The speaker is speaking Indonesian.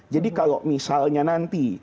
jadi kalau misalnya nanti